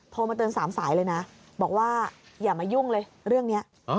มาเตือน๓สายเลยนะบอกว่าอย่ามายุ่งเลยเรื่องนี้